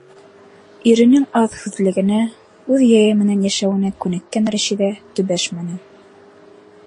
Иренең аҙ һүҙлелегенә, үҙ яйы менән йәшәүенә күнеккән Рәшиҙә төбәшмәне.